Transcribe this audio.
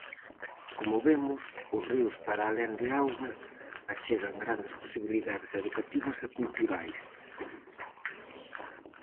Como vemos, os ríos para alén de auga, achegan grandes posibilidades educativas e culturais.